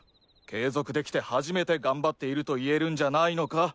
継続できて初めて頑張っていると言えるんじゃないのか？